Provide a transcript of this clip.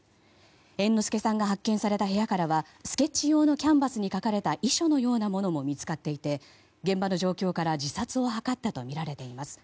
猿之助さんが発見された部屋からはスケッチ用のキャンバスに書かれた遺書のようなものも見つかっていて現場の状況から自殺を図ったとみられています。